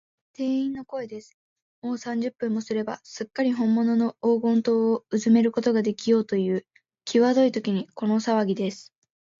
店員の声です。もう三十分もすれば、すっかりほんものの黄金塔をうずめることができようという、きわどいときに、このさわぎです。